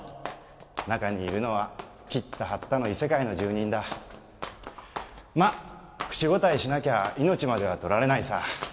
中にいるのはきったはったの異世界の住人だ口答えしなきゃ命までは取られないさ・